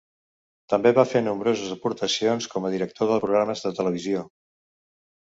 També va fer nombroses aportacions com a director de programes de televisió.